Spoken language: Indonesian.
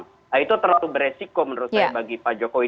nah itu terlalu beresiko menurut saya bagi pak jokowi